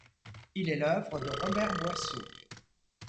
Il est l'œuvre de Robert Boisseau.